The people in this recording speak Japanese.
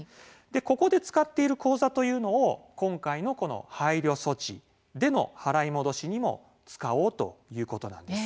ここで使っている口座というのを今回の配慮措置での払い戻しでも使おうということなんです。